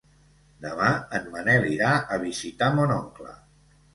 Demà en Manel irà a visitar mon oncle.